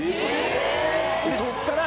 そこから。